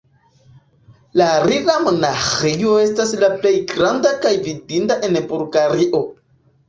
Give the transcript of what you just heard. La Rila-monaĥejo estas la plej granda kaj vidinda en Bulgario.